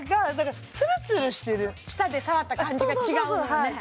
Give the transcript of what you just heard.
舌で触った感じが違うのよね